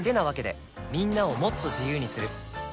みんなをもっと自由にする「三菱冷蔵庫」